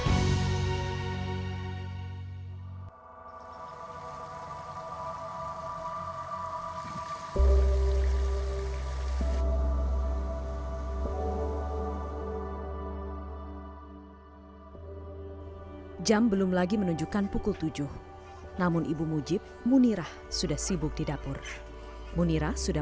hai jam belum lagi menunjukkan pukul tujuh namun ibu mujib munirah sudah sibuk di dapur munirah sudah